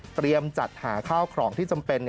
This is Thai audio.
เตรียมจัดหาข้าวของที่จำเป็น